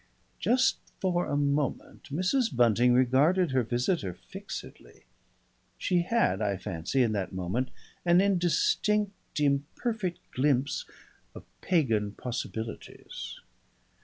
Just for a moment Mrs. Bunting regarded her visitor fixedly. She had, I fancy, in that moment, an indistinct, imperfect glimpse of pagan possibilities.